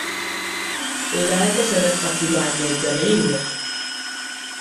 Lelkesedett a cigány népzenéért.